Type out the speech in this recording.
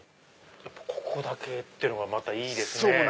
ここだけっていうのがまたいいですね。